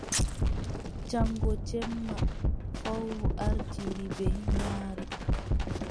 Jaŋgo jemma fowru ardiri bee yaare.